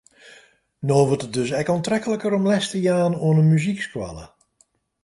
No wurdt it dus ek oantrekliker om les te jaan oan in muzykskoalle.